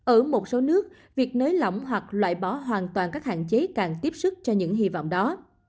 ở một số nước việc nới lỏng hoặc loại bỏ hoàn toàn các hạn chế càng tiếp sức cho những hy vọng đó